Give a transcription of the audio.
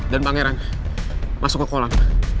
dan pangeran masuk ke kolam